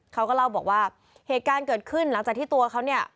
เขาก็เล่าบอกว่าเหตุการณ์เกิดขึ้นหลังจากที่ตัวเขาเนี่ย